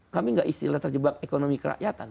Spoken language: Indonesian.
kami tidak istilah terjebak ekonomi kerakyatan